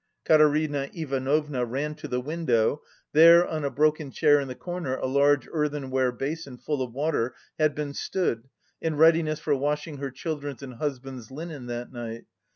Katerina Ivanovna ran to the window; there, on a broken chair in the corner, a large earthenware basin full of water had been stood, in readiness for washing her children's and husband's linen that night.